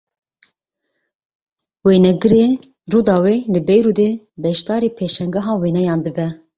Wênegirê Rûdawê li Beyrûdê beşdarî pêşangeha wêneyan dibe.